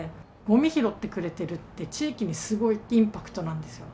ごみ拾ってくれてるって、地域にすごいインパクトなんですよ。